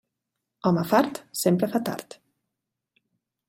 Home fart sempre fa tard.